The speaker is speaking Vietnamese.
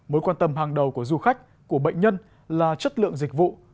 mối quan tâm hàng đầu của du khách của bệnh nhân là chất lượng dịch vụ